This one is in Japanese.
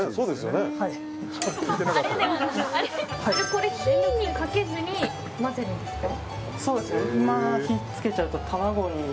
これ、火にかけずに混ぜるんですか？